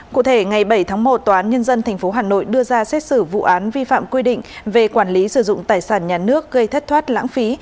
cụ thể ngày bảy tháng một tòa án nhân dân tp hà nội đưa ra xét xử vụ án vi phạm quy định về quản lý sử dụng tài sản nhà nước gây thất thoát lãng phí